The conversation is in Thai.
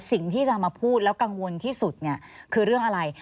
สิ่งที่จะมาพูดแล้วกังวลที่สุดเนี่ยคือเรื่องอะไร